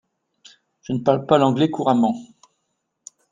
Je ne parle pas l'anglais couramment.